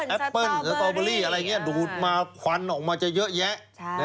เปิ้ลสตอเบอรี่อะไรอย่างนี้ดูดมาควันออกมาจะเยอะแยะ